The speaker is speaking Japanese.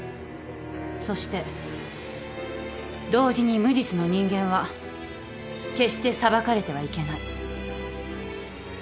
そして同時に無実の人間は決して裁かれてはいけない。